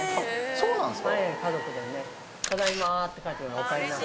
そうなんですか。